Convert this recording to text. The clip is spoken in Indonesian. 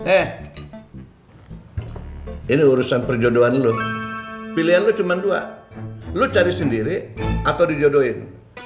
eh ini urusan perjodohan lo pilihan lo cuma dua lu cari sendiri atau dijodohin